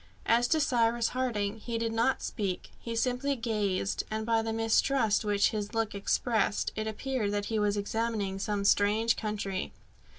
As to Cyrus Harding, he did not speak; he simply gazed, and by the mistrust which his look expressed, it appeared that he was examining some strange country.